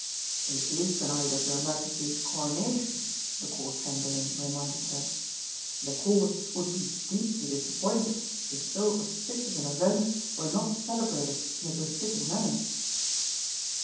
"It is the night of your Majesties' Coronation," the Court Chamberlain reminded her. "The Court would be deeply disappointed if so auspicious an event were not celebrated in a befitting manner."